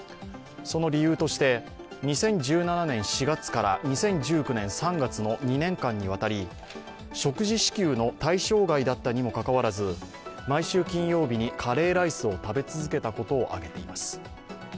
その理由として２０１７年４月から２０１９年３月の２年間にわたり食事支給の対象外だったにもかかわらず、毎週金曜日にカレーライスを食べ続けたことを挙げています。